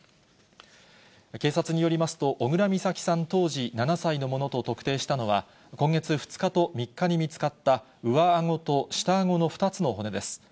警察によりますと、小倉美咲さん、当時７歳のものと特定したのは、今月２日と３日に見つかった上あごと下あごの２つの骨です。